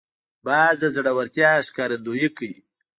باز د زړورتیا ښکارندویي کوي